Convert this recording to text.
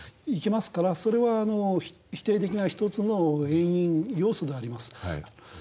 いきますからそれは否定できない一つの遠因要素であります。